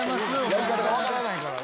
やり方が分からないからな。